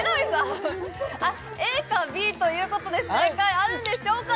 ＡかＢということで正解あるんでしょうか？